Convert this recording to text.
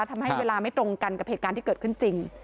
ทำให้เวลาไม่ตรงกันกับเหตุการณ์ที่เกิดขึ้นจริง